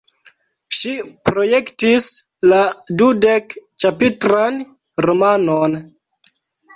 Ŝi projektis la dudek-ĉapitran romanon.